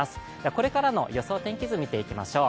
これからの予想天気図を見ていきましょう。